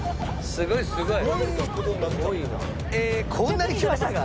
すごいすごい。